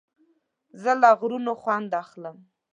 زه له غرونو خوند اخلم.